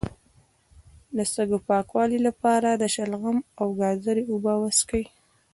د سږو د پاکوالي لپاره د شلغم او ګازرې اوبه وڅښئ